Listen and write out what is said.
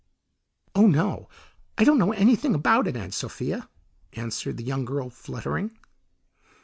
"Oh, no, I don't know anything about it, Aunt Sophia," answered the young girl, fluttering.